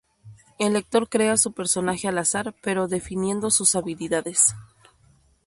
El lector crea su personaje al azar, pero definiendo sus habilidades.